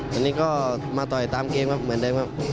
วันนี้ก็มาต่อยตามเกมครับเหมือนเดิมครับ